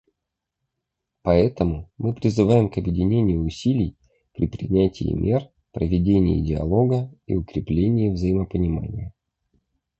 Поэтому мы призываем к объединению усилий при принятии мер, проведении диалога и укреплении взаимопонимания.